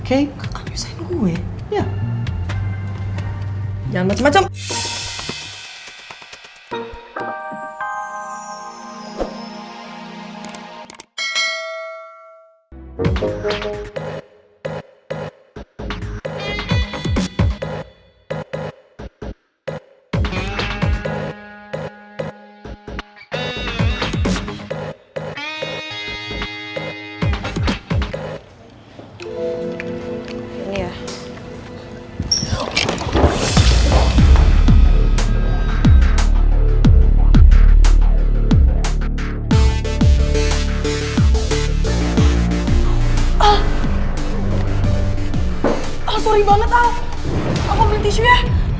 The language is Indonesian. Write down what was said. aku ambil tisunya